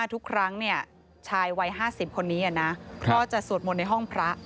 ทุกครั้งชายวัย๕๐คนนี้ก็จะสวดมนต์ในห้องพระ